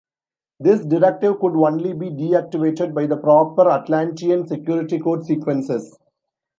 This directive could only be deactivated by the proper Atlantean security code sequences.